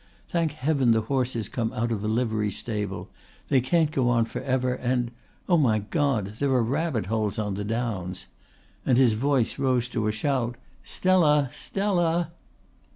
Thank Heaven the horses come out of a livery stable ... They can't go on for ever and oh, my God! there are rabbit holes on the Downs." And his voice rose to a shout: "Stella! Stella!"